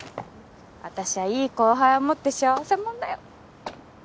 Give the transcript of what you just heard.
私はいい後輩を持って幸せもんだよ。